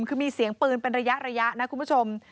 คือมีเสียงปืนเป็นระยะนะคุณผู้ชม